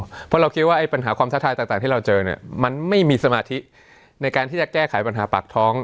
เพราะเราคิดว่าปัญหาความท้าทายต่างที่เราเจอเนี่ยมันไม่มีสมาธิในการที่จะแก้ไขปัญหาปากท้อง